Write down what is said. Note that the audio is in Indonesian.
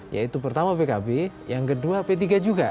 yaitu pertama pkb yang kedua p tiga juga